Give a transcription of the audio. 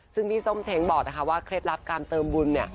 ซึ่งพี่ส้มเช้งบอกนะคะว่าเคล็ดลับการเติมบุญเนี่ย